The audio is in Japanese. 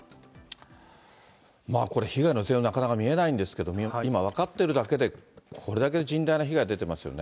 これ、被害の全容、なかなか見えないんですけど、今、分かってるだけでこれだけ甚大な被害出てますよね。